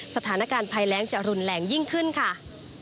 สถานการณ์ภายแล้งจะหลุ่นแหล่งยิ่งขึ้นค่ะ